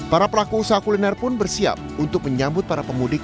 para pelaku usaha kuliner pun bersiap untuk menyambut para pemudik